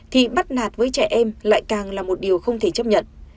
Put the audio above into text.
thì bắt nạt với trẻ em lại càng là một điều không thể chấp nhận